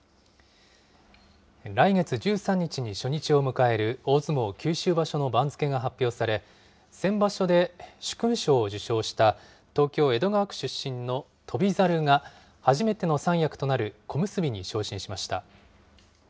来月１３日に初日を迎える大相撲九州場所の番付が発表され、先場所で殊勲賞を受賞した東京・江戸川区出身の翔猿が、初めての三役となる小結に昇進しました。